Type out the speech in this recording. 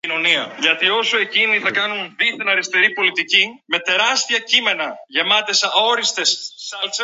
Εκείνος χαμογέλασε: